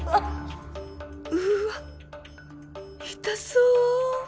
うわ痛そう。